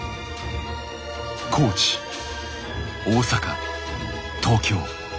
高知大阪東京。